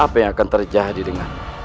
apa yang akan terjadi dengan